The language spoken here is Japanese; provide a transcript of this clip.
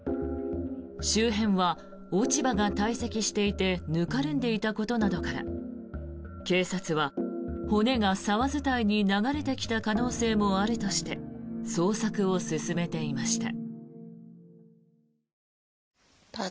周辺は落ち葉がたい積してぬかるんでいたことなどから警察は、骨が沢伝いに流れてきた可能性もあるとして捜索を進めていました。